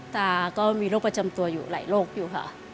ตาก็มีโรคประจำตัวอยู่หลายโรคอยู่ค่ะ